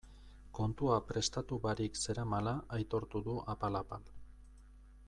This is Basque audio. Kontua prestatu barik zeramala aitortu du apal-apal.